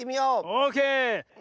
オーケー！